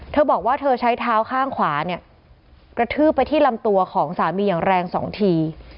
เธอบอกว่าเธอใช้เท้าข้างขวาเนี่ยกระทืบไปที่ลำตัวของสามีอย่างแรงสองที